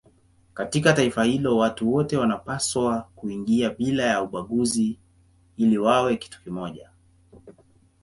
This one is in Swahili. Katika taifa hilo watu wote wanapaswa kuingia bila ya ubaguzi ili wawe kitu kimoja.